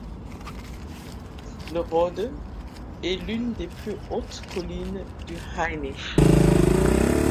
Le Rode est l'un des plus hautes collines du Hainich.